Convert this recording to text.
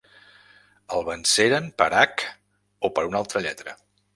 El venceren per hac o per una altra lletra.